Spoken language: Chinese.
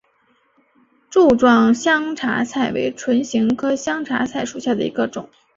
帚状香茶菜为唇形科香茶菜属下的一个种。